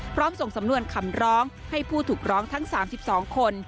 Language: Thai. ส่งสำนวนคำร้องให้ผู้ถูกร้องทั้ง๓๒คน